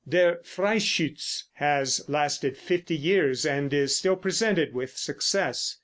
"Der Freischütz" has lasted fifty years, and is still presented with success.